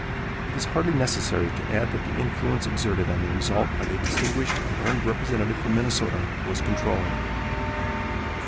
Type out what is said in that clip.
It is hardly necessary to add that the influence exerted on the result by the distinguished and learned representative from Minnesota was controlling.